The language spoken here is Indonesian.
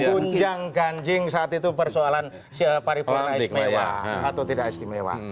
tunjang ganjing saat itu persoalan paripurna istimewa atau tidak istimewa